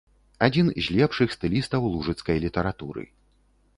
Адзін з лепшых стылістаў лужыцкай літаратуры.